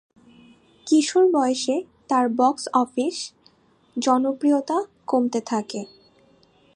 কিশোর বয়সে তার box office জনপ্রিয়তা কমতে থাকে।